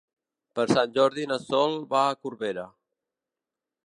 Per Sant Jordi na Sol va a Corbera.